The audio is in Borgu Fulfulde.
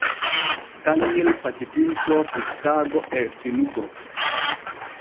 Kanŋel sakitintoo fukkaago e finugo.